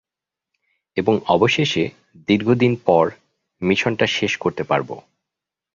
এবং অবশেষে, দীর্ঘদিন পর মিশনটা শেষ করতে পারবো।